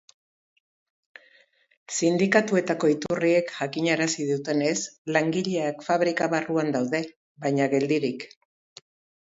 Sindikatuetako iturriek jakinarazi dutenez, langileak fabrika barruan daude, baina geldirik.